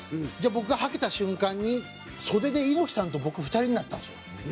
僕がはけた瞬間に袖で猪木さんと僕２人になったんですよ。